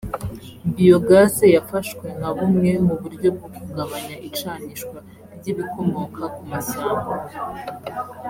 Biogaz yafashwe nka bumwe mu buryo bwo kugabanya icanishwa ry’ibikomoka ku mashyamba